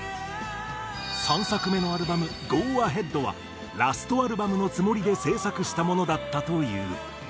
３作目のアルバム『ＧＯＡＨＥＡＤ！』はラストアルバムのつもりで制作したものだったという。